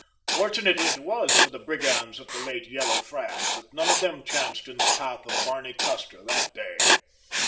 Fortunate it was for the brigands of the late Yellow Franz that none of them chanced in the path of Barney Custer that day.